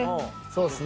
そうっすね。